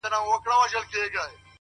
قناعت د شتمن زړه نښه ده!